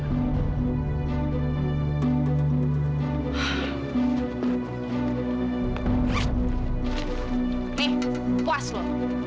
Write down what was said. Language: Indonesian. nih puas lo